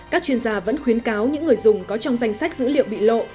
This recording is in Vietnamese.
các chuyên gia vẫn khuyến cáo những người dùng có trong danh sách dữ liệu bị lộ